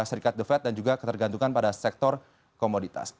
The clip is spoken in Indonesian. serikat the fed dan juga ketergantungan pada sektor komoditas